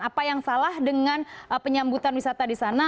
apa yang salah dengan penyambutan wisata di sana